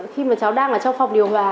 khi mà cháu đang ở trong phòng điều hòa